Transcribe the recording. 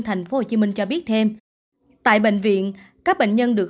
tp hcm cho biết thêm tại bệnh viện các bệnh nhân được